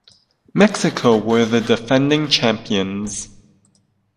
Mexico were the defending champions.